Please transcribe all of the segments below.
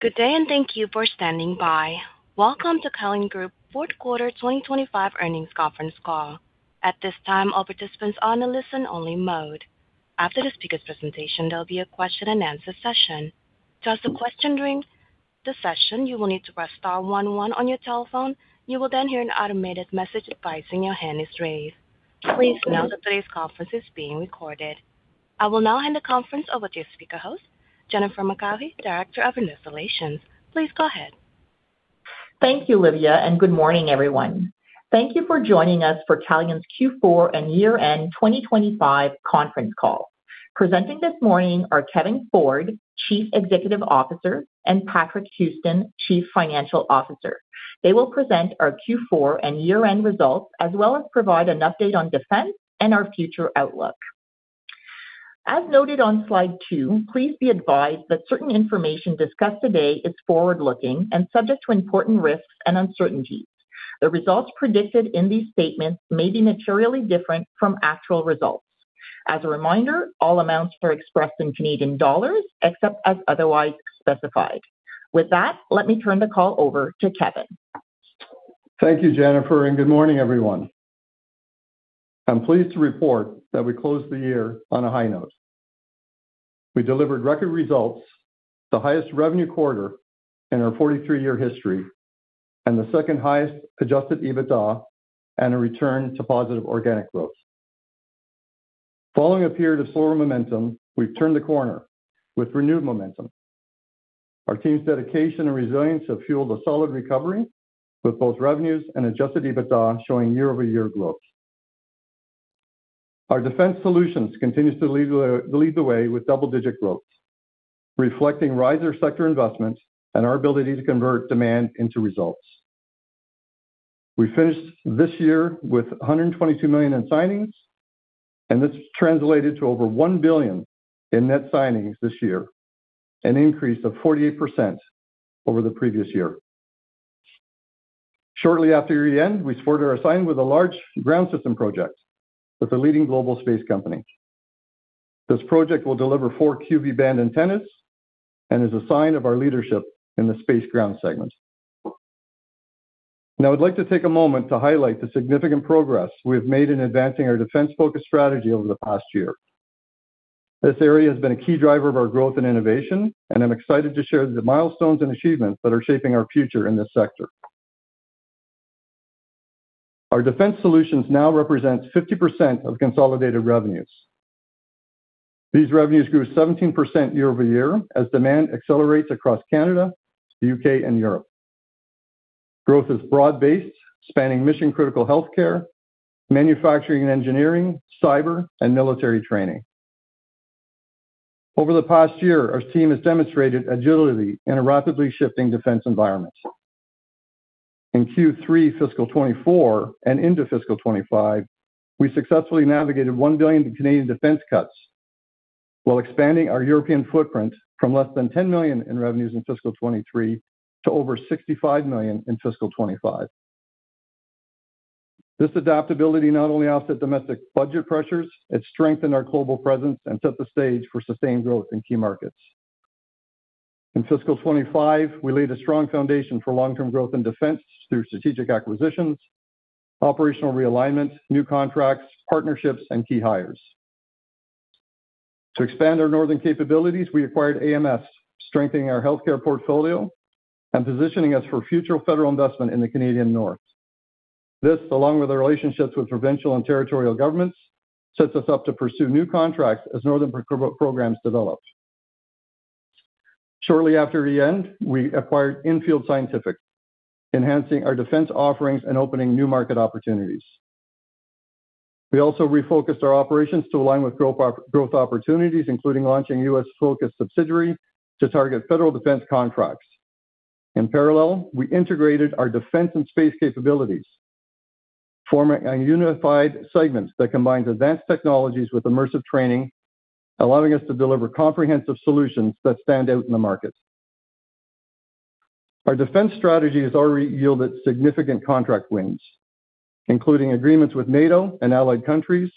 Good day, and thank you for standing by. Welcome to Calian Group Fourth Quarter 2025 Earnings Conference Call. At this time, all participants are on a listen-only mode. After the speaker's presentation, there'll be a question-and-answer session. To ask a question during the session, you will need to press star one one on your telephone. You will then hear an automated message advising your hand is raised. Please note that today's conference is being recorded. I will now hand the conference over to your speaker host, Jennifer McCaughey, Director of Investor Relations. Please go ahead. Thank you, Livia, and good morning, everyone. Thank you for joining us for Calian's Q4 and year-end 2025 Conference Call. Presenting this morning are Kevin Ford, Chief Executive Officer, and Patrick Houston, Chief Financial Officer. They will present our Q4 and year-end results, as well as provide an update on defense and our future outlook. As noted on slide two, please be advised that certain information discussed today is forward-looking and subject to important risks and uncertainties. The results predicted in these statements may be materially different from actual results. As a reminder, all amounts are expressed in CAD except as otherwise specified. With that, let me turn the call over to Kevin. Thank you, Jennifer, and good morning, everyone. I'm pleased to report that we closed the year on a high note. We delivered record results, the highest revenue quarter in our 43-year history, and the second highest adjusted EBITDA, and a return to positive organic growth. Following a period of slower momentum, we've turned the corner with renewed momentum. Our team's dedication and resilience have fueled a solid recovery, with both revenues and adjusted EBITDA showing year-over-year growth. Our defense solutions continue to lead the way with double-digit growth, reflecting rising sector investment and our ability to convert demand into results. We finished this year with 122 million in signings, and this translated to over 1 billion in net signings this year, an increase of 48% over the previous year. Shortly after year-end, we supported our assignment with a large ground system project with the leading global space company. This project will deliver four QV-band antennas and is a sign of our leadership in the space ground segment. Now, I'd like to take a moment to highlight the significant progress we have made in advancing our defense-focused strategy over the past year. This area has been a key driver of our growth and innovation, and I'm excited to share the milestones and achievements that are shaping our future in this sector. Our defense solutions now represent 50% of consolidated revenues. These revenues grew 17% year-over-year as demand accelerates across Canada, the U.K., and Europe. Growth is broad-based, spanning mission-critical healthcare, manufacturing and engineering, cyber, and military training. Over the past year, our team has demonstrated agility in a rapidly shifting defense environment. In Q3 fiscal 2024 and into fiscal 2025, we successfully navigated 1 billion Canadian defense cuts while expanding our European footprint from less than 10 million in revenues in fiscal 2023 to over 65 million in fiscal 2025. This adaptability not only offset domestic budget pressures, it strengthened our global presence and set the stage for sustained growth in key markets. In fiscal 2025, we laid a strong foundation for long-term growth in defense through strategic acquisitions, operational realignment, new contracts, partnerships, and key hires. To expand our northern capabilities, we acquired AMS, strengthening our healthcare portfolio and positioning us for future federal investment in the Canadian North. This, along with our relationships with provincial and territorial governments, sets us up to pursue new contracts as northern programs develop. Shortly after year-end, we acquired Infield Scientific, enhancing our defense offerings and opening new market opportunities. We also refocused our operations to align with growth opportunities, including launching a US-focused subsidiary to target federal defense contracts. In parallel, we integrated our defense and space capabilities, forming a unified segment that combines advanced technologies with immersive training, allowing us to deliver comprehensive solutions that stand out in the market. Our defense strategy has already yielded significant contract wins, including agreements with NATO and allied countries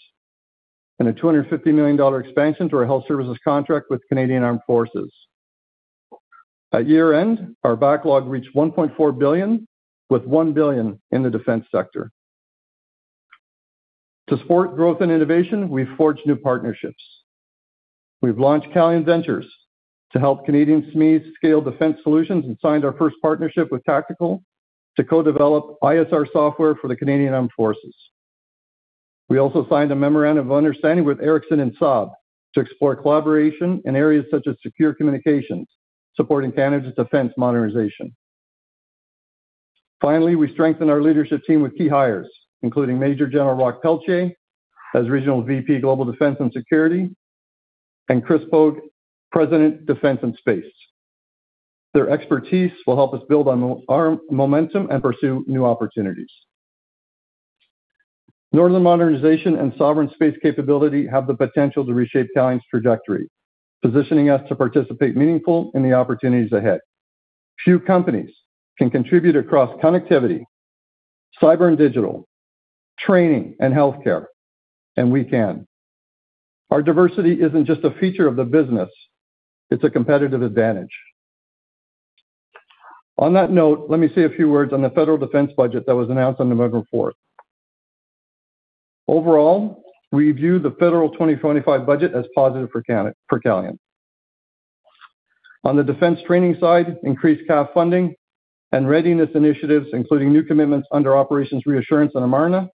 and a 250 million dollar expansion to our health services contract with Canadian Armed Forces. At year-end, our backlog reached 1.4 billion, with 1 billion in the defense sector. To support growth and innovation, we've forged new partnerships. We've launched Calian Ventures to help Canadian SMEs scale defense solutions and signed our first partnership with TACTIQL to co-develop ISR software for the Canadian Armed Forces. We also signed a memorandum of understanding with Ericsson and Saab to explore collaboration in areas such as secure communications, supporting Canada's defense modernization. Finally, we strengthened our leadership team with key hires, including Major General Roch Pelletier as Regional VP Global Defense and Security and Chris Fogg, President Defense and Space. Their expertise will help us build on our momentum and pursue new opportunities. Northern modernization and sovereign space capability have the potential to reshape Calian's trajectory, positioning us to participate meaningfully in the opportunities ahead. Few companies can contribute across connectivity, cyber and digital, training and healthcare, and we can. Our diversity is not just a feature of the business; it is a competitive advantage. On that note, let me say a few words on the federal defense budget that was announced on November 4th. Overall, we view the federal 2025 budget as positive for Calian. On the defense training side, increased CAF funding and readiness initiatives, including new commitments under Operations Reassurance and Amarna,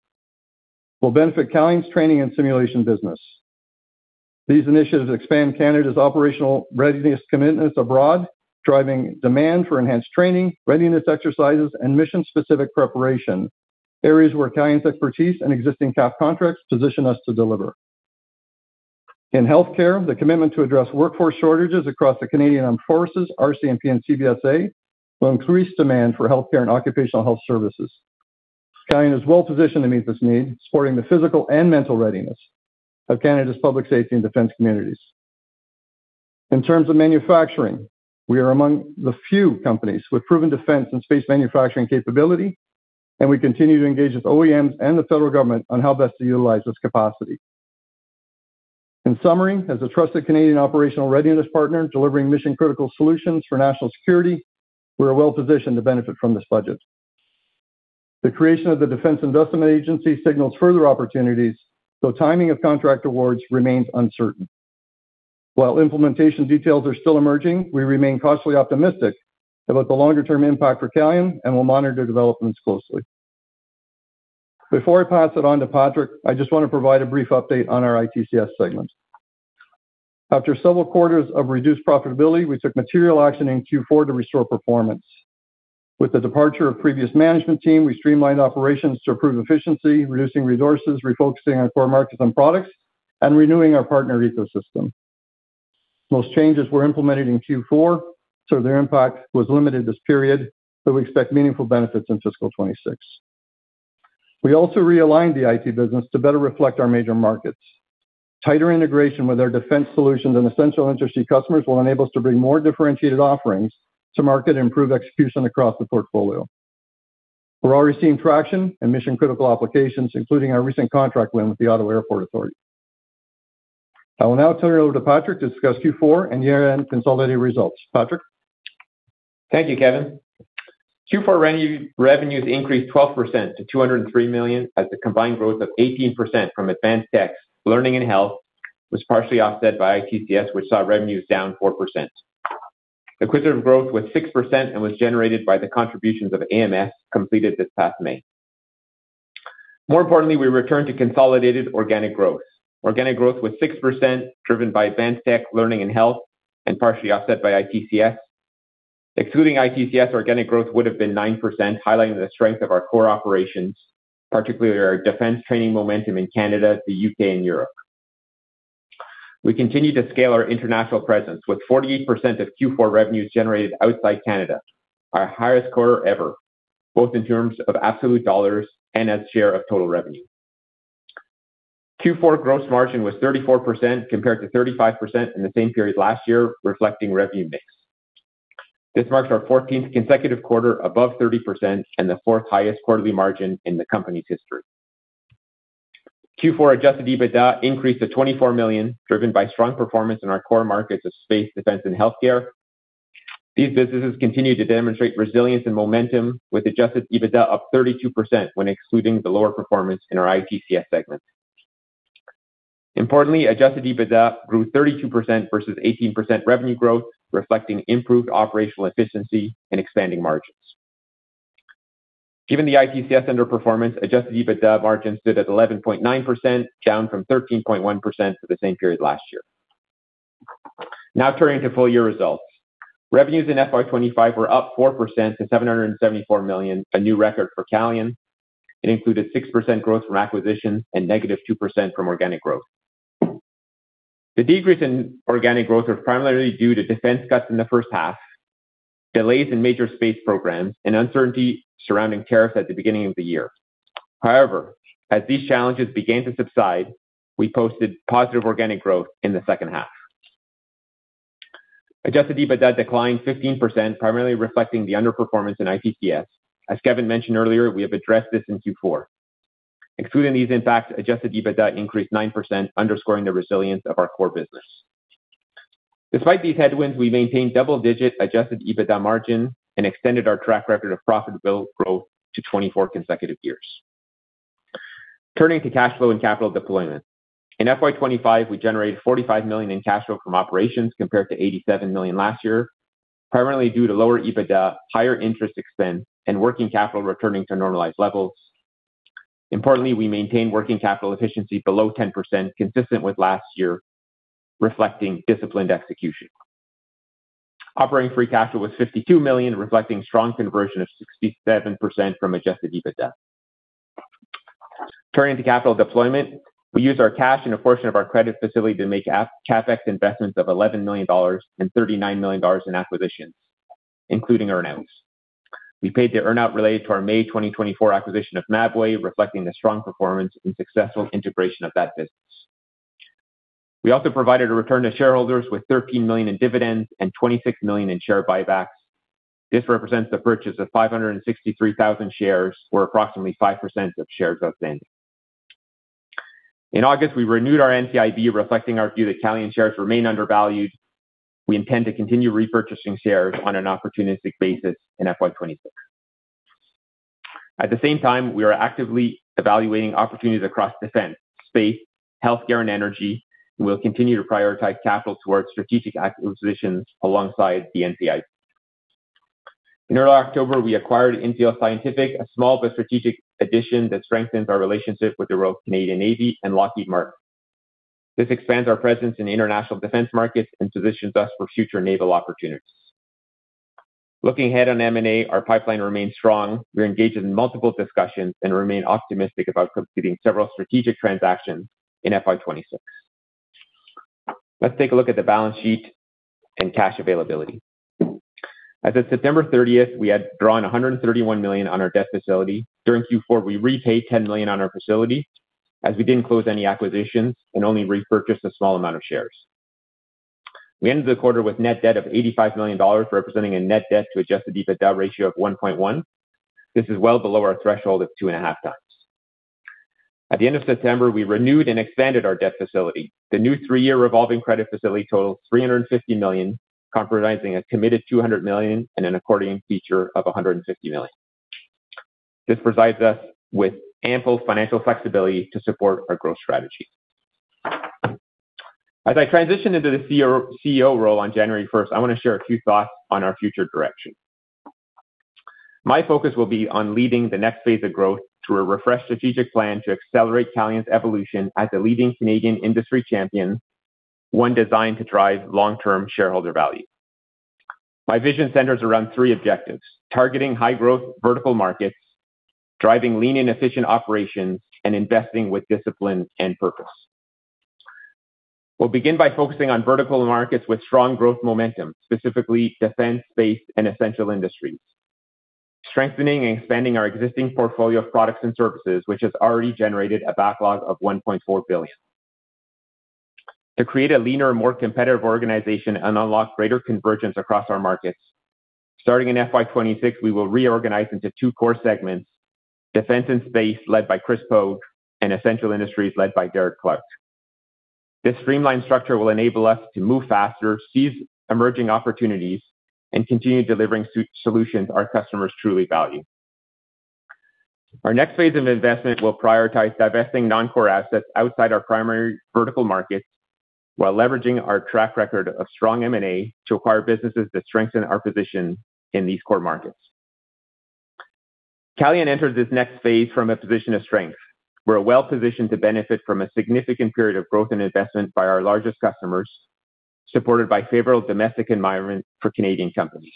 will benefit Calian's training and simulation business. These initiatives expand Canada's operational readiness commitments abroad, driving demand for enhanced training, readiness exercises, and mission-specific preparation, areas where Calian's expertise and existing CAF contracts position us to deliver. In healthcare, the commitment to address workforce shortages across the Canadian Armed Forces, RCMP, and CBSA will increase demand for healthcare and occupational health services. Calian is well-positioned to meet this need, supporting the physical and mental readiness of Canada's public safety and defense communities. In terms of manufacturing, we are among the few companies with proven defense and space manufacturing capability, and we continue to engage with OEMs and the federal government on how best to utilize this capacity. In summary, as a trusted Canadian operational readiness partner delivering mission-critical solutions for national security, we are well-positioned to benefit from this budget. The creation of the Defense Investment Agency signals further opportunities, though timing of contract awards remains uncertain. While implementation details are still emerging, we remain cautiously optimistic about the longer-term impact for Calian and will monitor developments closely. Before I pass it on to Patrick, I just want to provide a brief update on our ITCS segment. After several quarters of reduced profitability, we took material action in Q4 to restore performance. With the departure of the previous management team, we streamlined operations to improve efficiency, reducing resources, refocusing our core markets and products, and renewing our partner ecosystem. Most changes were implemented in Q4, so their impact was limited this period, but we expect meaningful benefits in fiscal 2026. We also realigned the IT business to better reflect our major markets. Tighter integration with our defense solutions and essential industry customers will enable us to bring more differentiated offerings to market and improve execution across the portfolio. We're already seeing traction in mission-critical applications, including our recent contract win with the Ottawa Airport Authority. I will now turn it over to Patrick to discuss Q4 and year-end consolidated results. Patrick. Thank you, Kevin. Q4 revenues increased 12% to 203 million as the combined growth of 18% from Advanced Techs, Learning, and Health was partially offset by ITCS, which saw revenues down 4%. Equivalent growth was 6% and was generated by the contributions of AMS completed this past May. More importantly, we returned to consolidated organic growth. Organic growth was 6%, driven by Advanced Techs, Learning, and Health, and partially offset by ITCS. Excluding ITCS, organic growth would have been 9%, highlighting the strength of our core operations, particularly our defense training momentum in Canada, the U.K., and Europe. We continue to scale our international presence with 48% of Q4 revenues generated outside Canada, our highest quarter ever, both in terms of absolute dollars and as share of total revenue. Q4 gross margin was 34% compared to 35% in the same period last year, reflecting revenue mix. This marks our 14th consecutive quarter above 30% and the fourth highest quarterly margin in the company's history. Q4 adjusted EBITDA increased to 24 million, driven by strong performance in our core markets of space, defense, and healthcare. These businesses continue to demonstrate resilience and momentum, with adjusted EBITDA up 32% when excluding the lower performance in our ITCS segment. Importantly, adjusted EBITDA grew 32% versus 18% revenue growth, reflecting improved operational efficiency and expanding margins. Given the ITCS underperformance, adjusted EBITDA margin stood at 11.9%, down from 13.1% for the same period last year. Now turning to full-year results. Revenues in fiscal year 2025 were up 4% to 774 million, a new record for Calian. It included 6% growth from acquisitions and negative 2% from organic growth. The decrease in organic growth was primarily due to defense cuts in the first half, delays in major space programs, and uncertainty surrounding tariffs at the beginning of the year. However, as these challenges began to subside, we posted positive organic growth in the second half. Adjusted EBITDA declined 15%, primarily reflecting the underperformance in ITCS. As Kevin mentioned earlier, we have addressed this in Q4. Excluding these impacts, adjusted EBITDA increased 9%, underscoring the resilience of our core business. Despite these headwinds, we maintained double-digit adjusted EBITDA margin and extended our track record of profitable growth to 24 consecutive years. Turning to cash flow and capital deployment. In FY2025, we generated 45 million in cash flow from operations compared to 87 million last year, primarily due to lower EBITDA, higher interest expense, and working capital returning to normalized levels. Importantly, we maintained working capital efficiency below 10%, consistent with last year, reflecting disciplined execution. Operating free cash flow was 52 million, reflecting strong conversion of 67% from adjusted EBITDA. Turning to capital deployment, we used our cash and a portion of our credit facility to make CapEx investments of 11 million dollars and 39 million dollars in acquisitions, including earnouts. We paid the earnout related to our May 2024 acquisition of Mabway, reflecting the strong performance and successful integration of that business. We also provided a return to shareholders with 13 million in dividends and 26 million in share buybacks. This represents the purchase of 563,000 shares, or approximately 5% of shares outstanding. In August, we renewed our NCIB, reflecting our view that Calian shares remain undervalued. We intend to continue repurchasing shares on an opportunistic basis in FY26. At the same time, we are actively evaluating opportunities across defense, space, healthcare, and energy, and we'll continue to prioritize capital towards strategic acquisitions alongside the NCIB. In early October, we acquired Infield Scientific, a small but strategic addition that strengthens our relationship with the Royal Canadian Navy and Lockheed Martin. This expands our presence in international defense markets and positions us for future naval opportunities. Looking ahead on M&A, our pipeline remains strong. We're engaged in multiple discussions and remain optimistic about completing several strategic transactions in fiscal year 2026. Let's take a look at the balance sheet and cash availability. As of September 30, we had drawn 131 million on our debt facility. During Q4, we repaid 10 million on our facility as we did not close any acquisitions and only repurchased a small amount of shares. We ended the quarter with net debt of 85 million dollars, representing a net debt-to-adjusted EBITDA ratio of 1.1. This is well below our threshold of two and a half times. At the end of September, we renewed and expanded our debt facility. The new three-year revolving credit facility totals 350 million, comprising a committed 200 million and an accordion feature of 150 million. This provides us with ample financial flexibility to support our growth strategy. As I transition into the CEO role on January 1st, I want to share a few thoughts on our future direction. My focus will be on leading the next phase of growth through a refreshed strategic plan to accelerate Calian's evolution as a leading Canadian industry champion, one designed to drive long-term shareholder value. My vision centers around three objectives: targeting high-growth vertical markets, driving lean and efficient operations, and investing with discipline and purpose. We'll begin by focusing on vertical markets with strong growth momentum, specifically defense, space, and essential industries, strengthening and expanding our existing portfolio of products and services, which has already generated a backlog of 1.4 billion. To create a leaner, more competitive organization and unlock greater convergence across our markets, starting in fiscal year 2026, we will reorganize into two core segments: defense and space, led by Chris Fogg, and essential industries, led by Derek Clark. This streamlined structure will enable us to move faster, seize emerging opportunities, and continue delivering solutions our customers truly value. Our next phase of investment will prioritize divesting non-core assets outside our primary vertical markets while leveraging our track record of strong M&A to acquire businesses that strengthen our position in these core markets. Calian enters this next phase from a position of strength. We're well-positioned to benefit from a significant period of growth and investment by our largest customers, supported by a favorable domestic environment for Canadian companies.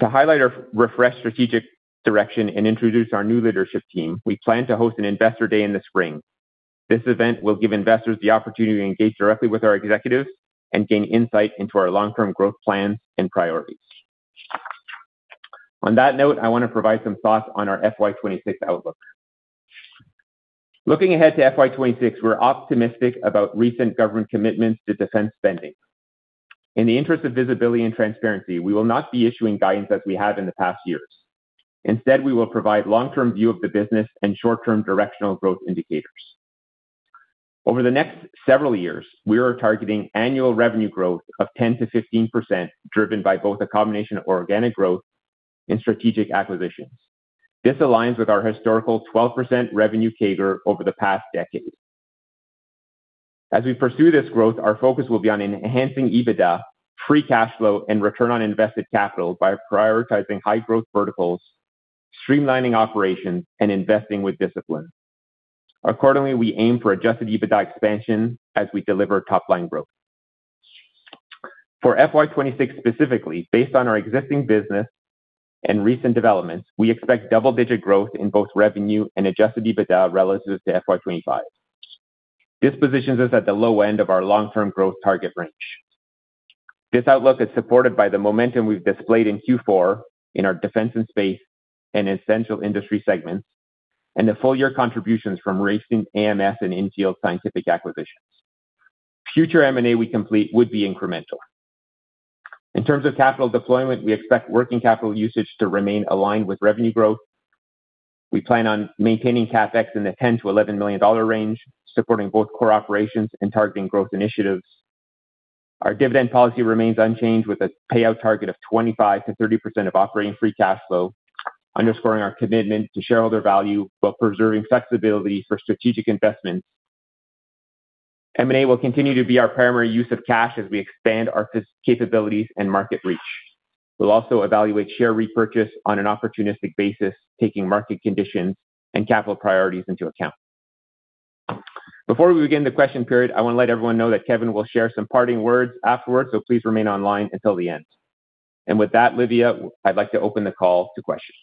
To highlight our refreshed strategic direction and introduce our new leadership team, we plan to host an investor day in the spring. This event will give investors the opportunity to engage directly with our executives and gain insight into our long-term growth plans and priorities. On that note, I want to provide some thoughts on our FY2026 outlook. Looking ahead to FY2026, we're optimistic about recent government commitments to defense spending. In the interest of visibility and transparency, we will not be issuing guidance as we have in the past years. Instead, we will provide a long-term view of the business and short-term directional growth indicators. Over the next several years, we are targeting annual revenue growth of 10-15%, driven by both a combination of organic growth and strategic acquisitions. This aligns with our historical 12% revenue CAGR over the past decade. As we pursue this growth, our focus will be on enhancing EBITDA, free cash flow, and return on invested capital by prioritizing high-growth verticals, streamlining operations, and investing with discipline. Accordingly, we aim for adjusted EBITDA expansion as we deliver top-line growth. For FY2026 specifically, based on our existing business and recent developments, we expect double-digit growth in both revenue and adjusted EBITDA relative to FY2025. This positions us at the low end of our long-term growth target range. This outlook is supported by the momentum we've displayed in Q4 in our defense and space and essential industry segments and the full-year contributions from recent AMS and Infield Scientific acquisitions. Future M&A we complete would be incremental. In terms of capital deployment, we expect working capital usage to remain aligned with revenue growth. We plan on maintaining CapEx in the 10 million-11 million dollar range, supporting both core operations and targeting growth initiatives. Our dividend policy remains unchanged, with a payout target of 25%-30% of operating free cash flow, underscoring our commitment to shareholder value while preserving flexibility for strategic investments. M&A will continue to be our primary use of cash as we expand our capabilities and market reach. We'll also evaluate share repurchase on an opportunistic basis, taking market conditions and capital priorities into account. Before we begin the question period, I want to let everyone know that Kevin will share some parting words afterwards, so please remain online until the end. With that, Livia, I'd like to open the call to questions.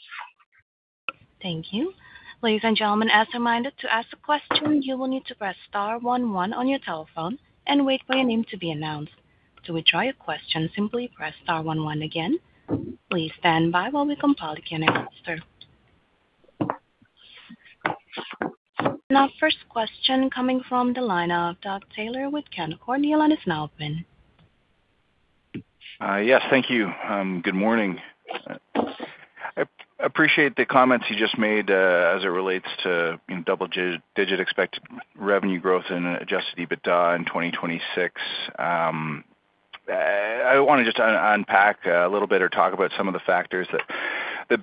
Thank you. Ladies and gentlemen, as reminded to ask a question, you will need to press star 11 on your telephone and wait for your name to be announced. To withdraw your question, simply press star 11 again. Please stand by while we compile the Q&A roster. Now, first question coming from the line of Doug Taylor with Canaccord is now open. Yes, thank you. Good morning. I appreciate the comments you just made as it relates to double-digit expected revenue growth and adjusted EBITDA in 2026. I want to just unpack a little bit or talk about some of the factors that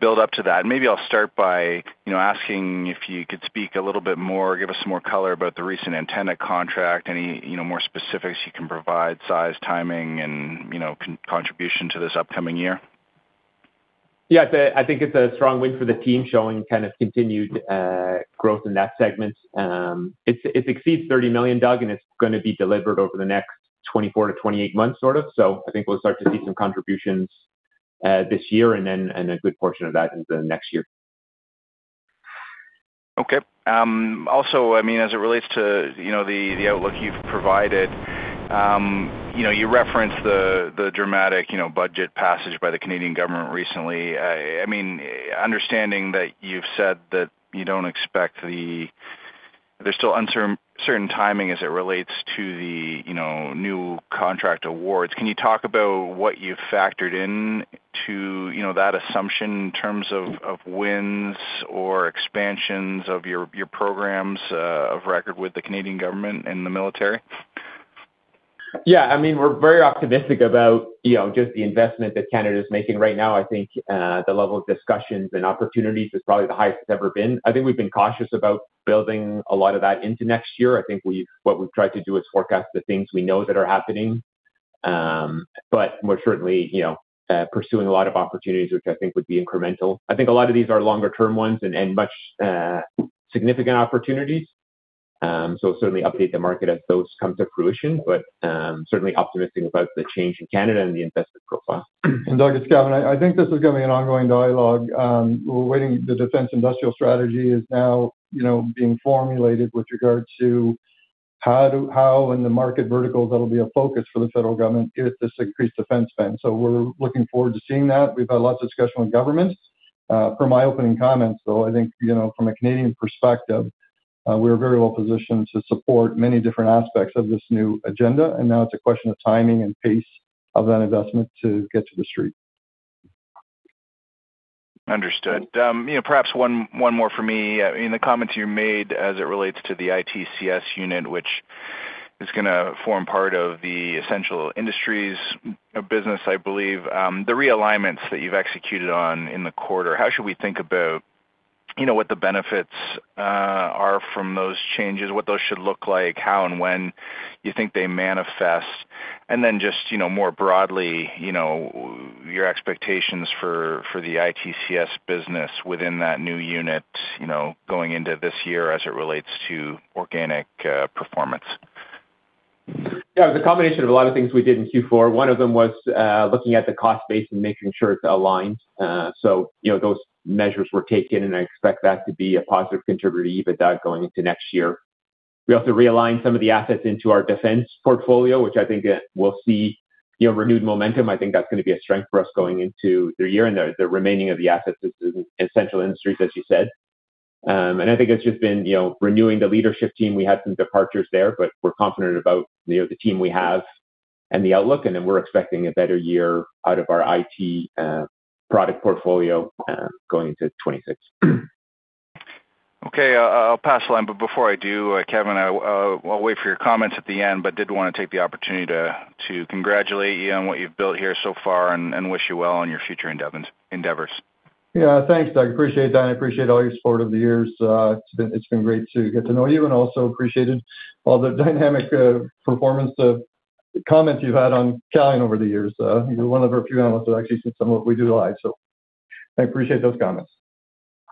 build up to that. Maybe I'll start by asking if you could speak a little bit more, give us some more color about the recent antenna contract, any more specifics you can provide, size, timing, and contribution to this upcoming year. Yeah, I think it's a strong win for the team, showing kind of continued growth in that segment. It exceeds 30 million, Doug, and it's going to be delivered over the next 24-28 months, sort of. I think we'll start to see some contributions this year and then a good portion of that into the next year. Okay. Also, I mean, as it relates to the outlook you've provided, you referenced the dramatic budget passage by the Canadian government recently. I mean, understanding that you've said that you don't expect the—there's still uncertain timing as it relates to the new contract awards. Can you talk about what you've factored into that assumption in terms of wins or expansions of your programs of record with the Canadian government and the military? Yeah, I mean, we're very optimistic about just the investment that Canada is making right now. I think the level of discussions and opportunities is probably the highest it's ever been. I think we've been cautious about building a lot of that into next year. I think what we've tried to do is forecast the things we know that are happening, but we're certainly pursuing a lot of opportunities, which I think would be incremental. I think a lot of these are longer-term ones and much significant opportunities. Certainly update the market as those come to fruition, but certainly optimistic about the change in Canada and the investment profile. Doug, it's Kevin. I think this is going to be an ongoing dialogue. We're waiting. The defense industrial strategy is now being formulated with regard to how in the market verticals that will be a focus for the federal government if this increased defense spend. We are looking forward to seeing that. We've had lots of discussion with governments. From my opening comments, though, I think from a Canadian perspective, we're very well positioned to support many different aspects of this new agenda. Now it's a question of timing and pace of that investment to get to the street. Understood. Perhaps one more for me. In the comments you made as it relates to the ITCS unit, which is going to form part of the essential industries business, I believe, the realignments that you've executed on in the quarter, how should we think about what the benefits are from those changes, what those should look like, how and when you think they manifest? Just more broadly, your expectations for the ITCS business within that new unit going into this year as it relates to organic performance? Yeah, it was a combination of a lot of things we did in Q4. One of them was looking at the cost base and making sure it's aligned. Those measures were taken, and I expect that to be a positive contributor to EBITDA going into next year. We also realigned some of the assets into our defense portfolio, which I think we'll see renewed momentum. I think that's going to be a strength for us going into the year and the remaining of the assets is essential industries, as you said. I think it's just been renewing the leadership team. We had some departures there, but we're confident about the team we have and the outlook, and then we're expecting a better year out of our IT product portfolio going into 2026. Okay. I'll pass the line, but before I do, Kevin, I'll wait for your comments at the end, but did want to take the opportunity to congratulate you on what you've built here so far and wish you well on your future endeavors. Yeah, thanks, Doug. Appreciate that. I appreciate all your support over the years. It's been great to get to know you and also appreciated all the dynamic performance comments you've had on Calian over the years. You're one of the very few analysts that actually see some of what we do live. I appreciate those comments.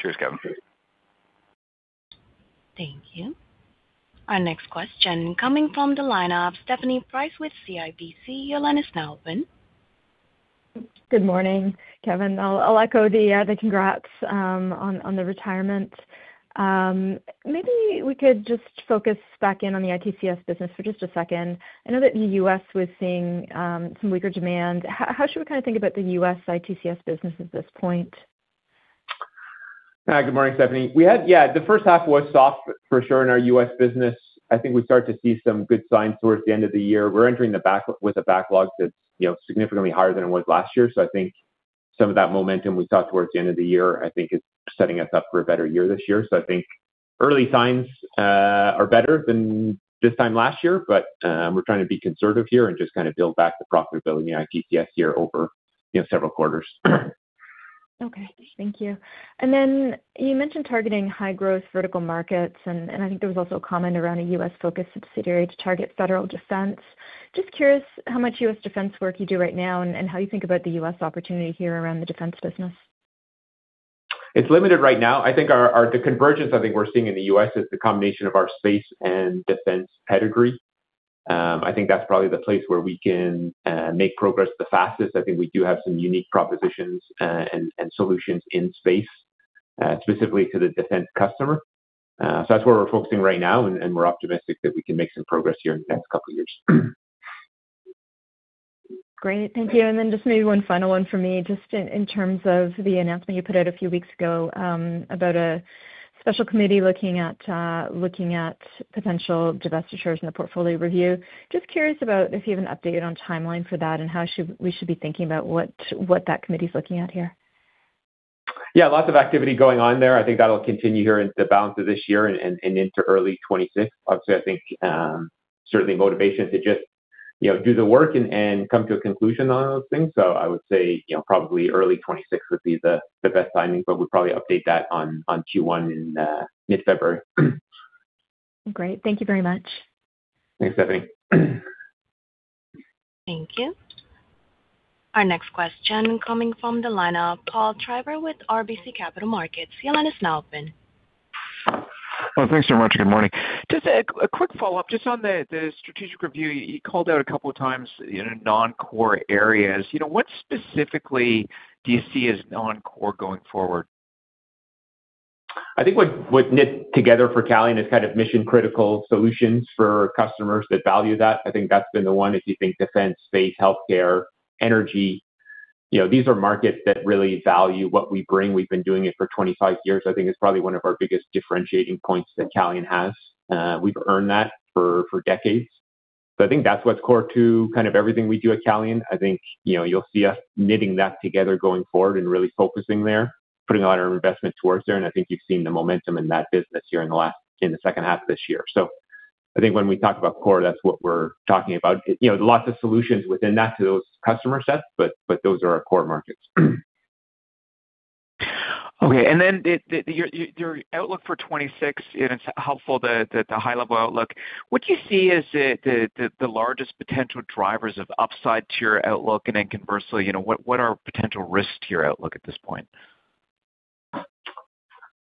Cheers, Kevin. Thank you. Our next question coming from the line of Stephanie Price with CIBC. Your line is now open. Good morning, Kevin. I'll echo the congrats on the retirement. Maybe we could just focus back in on the ITCS business for just a second. I know that in the U.S., we're seeing some weaker demand. How should we kind of think about the U.S. ITCS business at this point? Good morning, Stephanie. Yeah, the first half was soft for sure in our US business. I think we start to see some good signs towards the end of the year. We're entering with a backlog that's significantly higher than it was last year. I think some of that momentum we saw towards the end of the year, I think, is setting us up for a better year this year. I think early signs are better than this time last year, but we're trying to be conservative here and just kind of build back the profitability in the ITCS year over several quarters. Okay. Thank you. You mentioned targeting high-growth vertical markets, and I think there was also a comment around a US-focused subsidiary to target federal defense. Just curious how much US defense work you do right now and how you think about the US opportunity here around the defense business. It's limited right now. I think the convergence I think we're seeing in the U.S. is the combination of our space and defense pedigree. I think that's probably the place where we can make progress the fastest. I think we do have some unique propositions and solutions in space specifically to the defense customer. That's where we're focusing right now, and we're optimistic that we can make some progress here in the next couple of years. Great. Thank you. Maybe one final one for me, just in terms of the announcement you put out a few weeks ago about a special committee looking at potential divestitures in the portfolio review. Just curious about if you have an update on timeline for that and how we should be thinking about what that committee is looking at here. Yeah, lots of activity going on there. I think that'll continue here into the balance of this year and into early 2026. Obviously, I think certainly motivation to just do the work and come to a conclusion on those things. I would say probably early 2026 would be the best timing, but we'll probably update that on Q1 in mid-February. Great. Thank you very much. Thanks, Stephanie. Thank you. Our next question coming from the line of Paul Treiber with RBC Capital Markets. He'll let us now open. Thanks so much. Good morning. Just a quick follow-up. Just on the strategic review, you called out a couple of times non-core areas. What specifically do you see as non-core going forward? I think what knit together for Calian is kind of mission-critical solutions for customers that value that. I think that's been the one. If you think defense, space, healthcare, energy, these are markets that really value what we bring. We've been doing it for 25 years. I think it's probably one of our biggest differentiating points that Calian has. We've earned that for decades. I think that's what's core to kind of everything we do at Calian. I think you'll see us knitting that together going forward and really focusing there, putting a lot of our investment towards there. I think you've seen the momentum in that business here in the second half of this year. I think when we talk about core, that's what we're talking about. Lots of solutions within that to those customer sets, but those are our core markets. Okay. Your outlook for 2026, and it's helpful that the high-level outlook. What do you see as the largest potential drivers of upside to your outlook? Conversely, what are potential risks to your outlook at this point?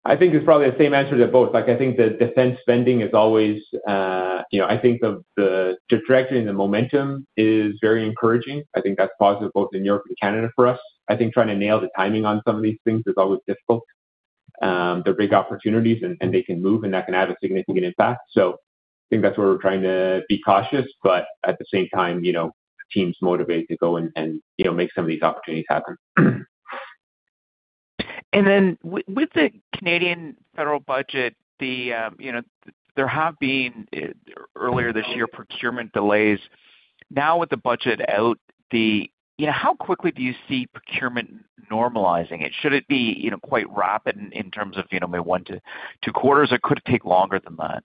I think it's probably the same answer to both. I think the defense spending is always—I think the trajectory and the momentum is very encouraging. I think that's positive both in Europe and Canada for us. I think trying to nail the timing on some of these things is always difficult. They're big opportunities, and they can move, and that can have a significant impact. I think that's where we're trying to be cautious, but at the same time, the team's motivated to go and make some of these opportunities happen. With the Canadian federal budget, there have been earlier this year procurement delays. Now with the budget out, how quickly do you see procurement normalizing? Should it be quite rapid in terms of maybe one to two quarters, or could it take longer than that?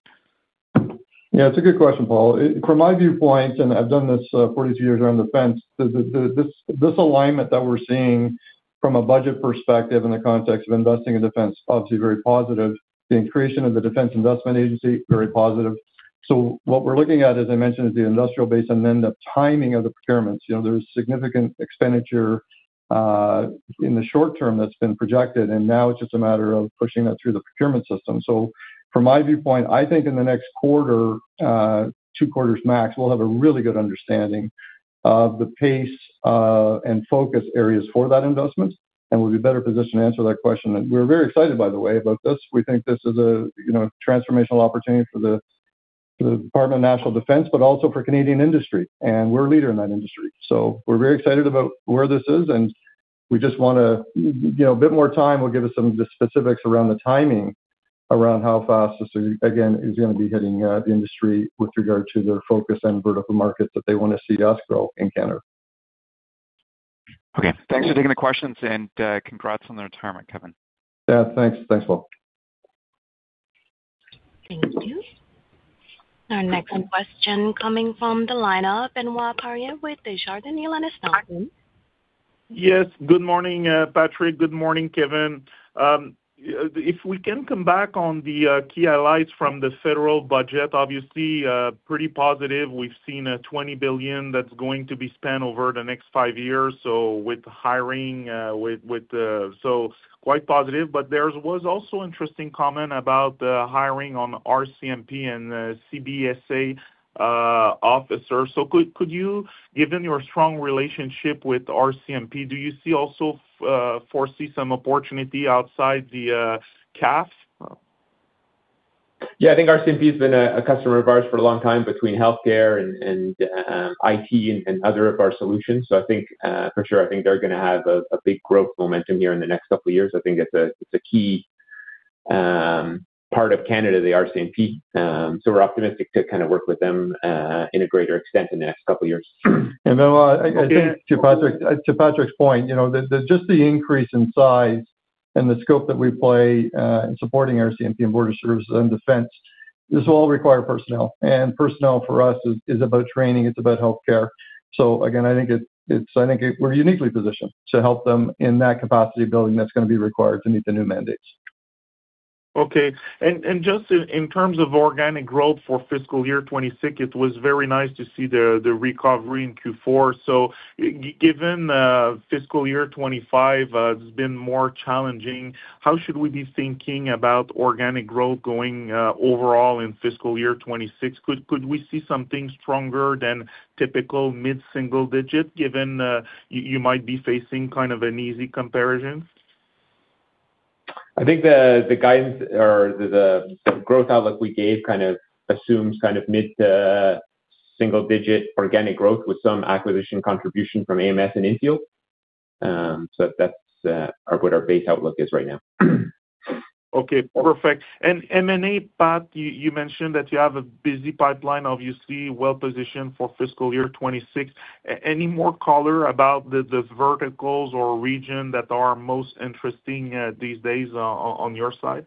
Yeah, it's a good question, Paul. From my viewpoint, and I've done this 42 years around defense, this alignment that we're seeing from a budget perspective in the context of investing in defense is obviously very positive. The increase in the Defense Investment Agency is very positive. What we're looking at, as I mentioned, is the industrial base and then the timing of the procurements. There is significant expenditure in the short term that's been projected, and now it's just a matter of pushing that through the procurement system. From my viewpoint, I think in the next quarter, two quarters max, we'll have a really good understanding of the pace and focus areas for that investment, and we'll be better positioned to answer that question. We're very excited, by the way, about this. We think this is a transformational opportunity for the Department of National Defense, but also for Canadian industry. We are a leader in that industry. We are very excited about where this is, and we just want a bit more time. It will give us some of the specifics around the timing, around how fast this, again, is going to be hitting the industry with regard to their focus and vertical markets that they want to see us grow in Canada. Okay. Thanks for taking the questions, and congrats on the retirement, Kevin. Yeah, thanks. Thanks, Paul. Thank you. Our next question coming from the line of Benoit Poirier with Desjardins, your line is now open. Yes. Good morning, Patrick. Good morning, Kevin. If we can come back on the key allies from the federal budget, obviously pretty positive. We've seen 20 billion that's going to be spent over the next five years. Quite positive. There was also an interesting comment about hiring on RCMP and CBSA officers. Could you, given your strong relationship with RCMP, do you also foresee some opportunity outside the CAF? Yeah, I think RCMP has been a customer of ours for a long time between healthcare and IT and other of our solutions. I think for sure, I think they're going to have a big growth momentum here in the next couple of years. I think it's a key part of Canada, the RCMP. We are optimistic to kind of work with them in a greater extent in the next couple of years. I think to Patrick's point, just the increase in size and the scope that we play in supporting RCMP and border services and defense, this will all require personnel. Personnel for us is about training. It's about healthcare. I think we're uniquely positioned to help them in that capacity building that's going to be required to meet the new mandates. Okay. Just in terms of organic growth for fiscal year 2026, it was very nice to see the recovery in Q4. Given fiscal year 2025, it's been more challenging. How should we be thinking about organic growth going overall in fiscal year 2026? Could we see something stronger than typical mid-single digit, given you might be facing kind of an easy comparison? I think the guidance or the growth outlook we gave kind of assumes kind of mid-single digit organic growth with some acquisition contribution from AMS and Infield. That is what our base outlook is right now. Okay. Perfect. M&A path, you mentioned that you have a busy pipeline, obviously well-positioned for fiscal year 2026. Any more color about the verticals or region that are most interesting these days on your side?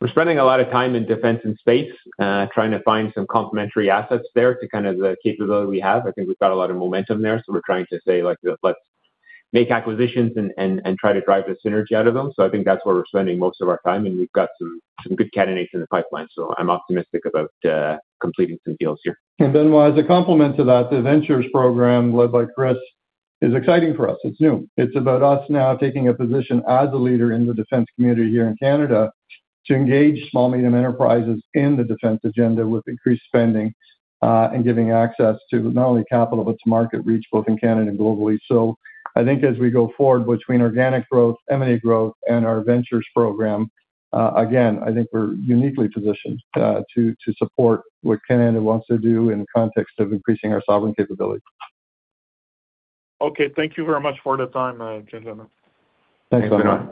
We're spending a lot of time in defense and space, trying to find some complementary assets there to kind of the capability we have. I think we've got a lot of momentum there. We're trying to say, "Let's make acquisitions and try to drive the synergy out of them." I think that's where we're spending most of our time, and we've got some good candidates in the pipeline. I'm optimistic about completing some deals here. As a complement to that, the ventures program led by Chris is exciting for us. It's new. It's about us now taking a position as a leader in the defense community here in Canada to engage small-medium enterprises in the defense agenda with increased spending and giving access to not only capital, but to market reach both in Canada and globally. I think as we go forward between organic growth, M&A growth, and our ventures program, again, I think we're uniquely positioned to support what Canada wants to do in the context of increasing our sovereign capability. Okay. Thank you very much for the time, Kevin. Thanks, everyone.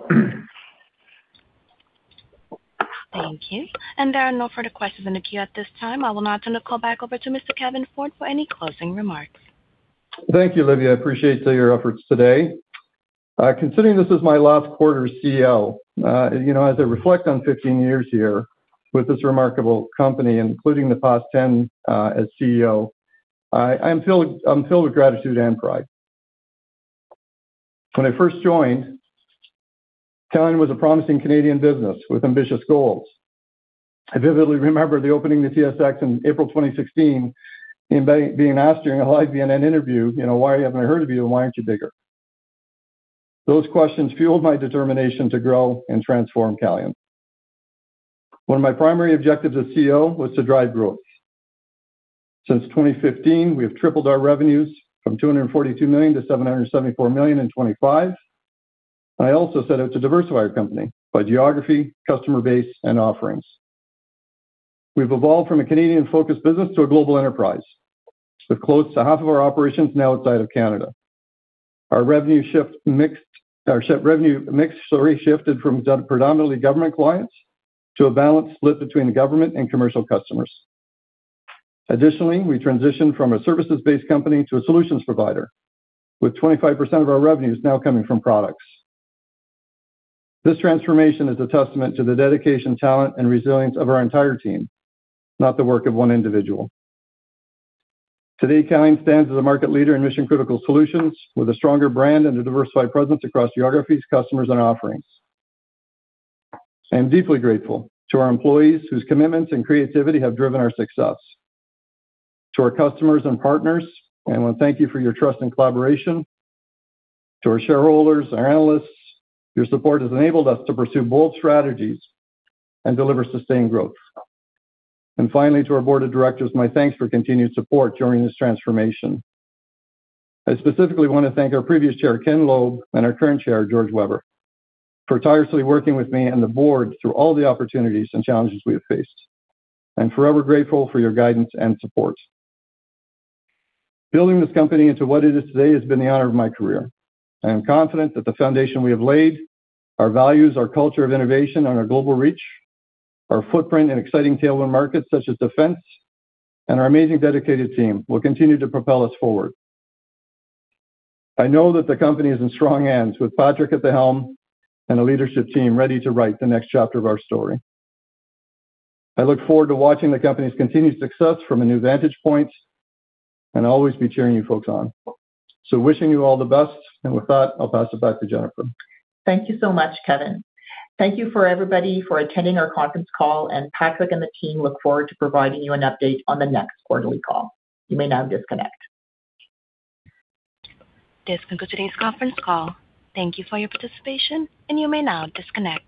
Thank you. There are no further questions in the queue at this time. I will now turn the call back over to Mr. Kevin Ford for any closing remarks. Thank you, Olivia. I appreciate your efforts today. Considering this is my last quarter as CEO, as I reflect on 15 years here with this remarkable company, including the past 10 as CEO, I'm filled with gratitude and pride. When I first joined, Calian was a promising Canadian business with ambitious goals. I vividly remember the opening of the TSX in April 2016 and being asked during a live BNN interview, "Why haven't I heard of you? And why aren't you bigger?" Those questions fueled my determination to grow and transform Calian. One of my primary objectives as CEO was to drive growth. Since 2015, we have tripled our revenues from 242 million to 774 million in 2025. I also set out to diversify our company by geography, customer base, and offerings. We've evolved from a Canadian-focused business to a global enterprise, with close to half of our operations now outside of Canada. Our revenue shifted from predominantly government clients to a balance split between government and commercial customers. Additionally, we transitioned from a services-based company to a solutions provider, with 25% of our revenues now coming from products. This transformation is a testament to the dedication, talent, and resilience of our entire team, not the work of one individual. Today, Calian stands as a market leader in mission-critical solutions with a stronger brand and a diversified presence across geographies, customers, and offerings. I am deeply grateful to our employees whose commitment and creativity have driven our success, to our customers and partners, and want to thank you for your trust and collaboration, to our shareholders, our analysts. Your support has enabled us to pursue bold strategies and deliver sustained growth. Finally, to our board of directors, my thanks for continued support during this transformation. I specifically want to thank our previous chair, Ken Loeb, and our current chair, George Weber, for tirelessly working with me and the board through all the opportunities and challenges we have faced. I'm forever grateful for your guidance and support. Building this company into what it is today has been the honor of my career. I am confident that the foundation we have laid, our values, our culture of innovation, and our global reach, our footprint in exciting tailwind markets such as defense, and our amazing dedicated team will continue to propel us forward. I know that the company is in strong hands with Patrick at the helm and a leadership team ready to write the next chapter of our story. I look forward to watching the company's continued success from a new vantage point and always be cheering you folks on. Wishing you all the best. With that, I'll pass it back to Jennifer. Thank you so much, Kevin. Thank you for everybody for attending our conference call. Patrick and the team look forward to providing you an update on the next quarterly call. You may now disconnect. This concludes today's conference call. Thank you for your participation, and you may now disconnect.